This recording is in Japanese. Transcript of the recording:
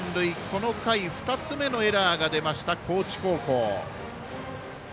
この回、２つ目のエラーが出ました、高知高校。